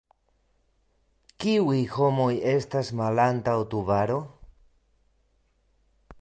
Kiuj homoj estas malantaŭ Tubaro?